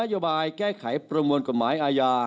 โยบายแก้ไขประมวลกฎหมายอาญา